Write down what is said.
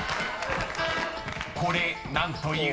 ［これ何という？］